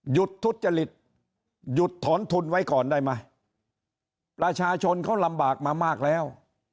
ทุจริตหยุดถอนทุนไว้ก่อนได้ไหมประชาชนเขาลำบากมามากแล้ว